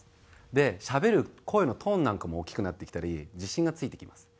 でしゃべる声のトーンなんかも大きくなってきたり自信がついてきます。